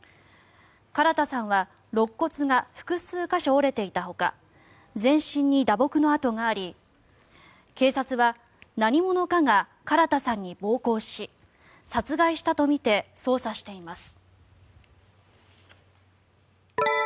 唐田さんはろっ骨が複数箇所折れていたほか全身に打撲の痕があり警察は、何者かが唐田さんに暴行し殺害したとみて捜査しています。